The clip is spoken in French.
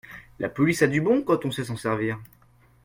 La police a du bon quand on sait s'en servir.